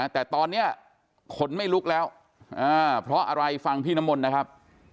แต่ตอนนี้ขนไม่ลุกแล้วเพราะอะไรฟังพี่น้ำมนต์นะครับ